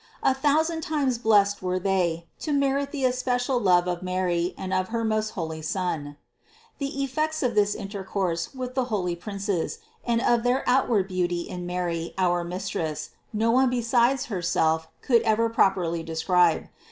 A thousand times blessed were they, to merit the especial love of Mary and of her most holy Son. 366. The effects of this intercourse with the holy princes, and of their outward beauty in Mary, our Mis tress, no one besides Herself could ever properly de scribe.